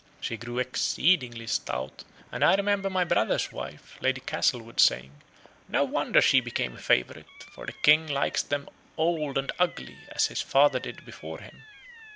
She grew exceedingly stout; and I remember my brother's wife, Lady Castlewood, saying "No wonder she became a favorite, for the King likes them old and ugly, as his father did before him."